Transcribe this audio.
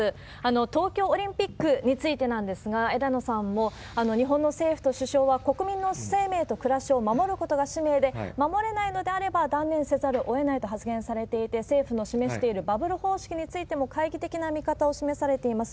東京オリンピックについてなんですが、枝野さんも、日本の政府と首相は、国民の生命と暮らしを守ることが指名で、守れないのであれば、断念せざるをえないと発言されていて、政府の示しているバブル方式についても懐疑的な見方を示されています。